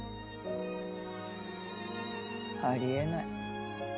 ありえない。